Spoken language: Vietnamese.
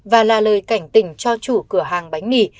và là lời cảnh tỉnh cho chủ cửa hàng bánh mì